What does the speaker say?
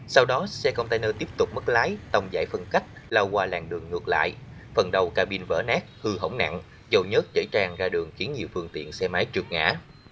sau đó xe container tiếp tục mất lái tông giải phân cách lao qua làng đường ngược lại phần đầu cabin vỡ nát hư hỏng nặng dầu nhất chảy tràn ra đường khiến nhiều phương tiện xe máy trượt ngã